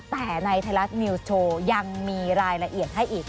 แต่ในไทยรัฐนิวส์โชว์ยังมีรายละเอียดให้อีก